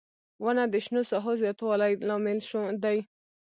• ونه د شنو ساحو زیاتوالي لامل دی.